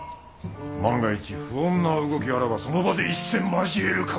万が一不穏な動きあらばその場で一戦交える覚悟で。